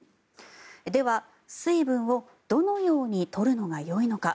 では、水分をどのように取るのがよいのか。